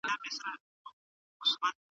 وړاندې خلک راپورونه ورکول.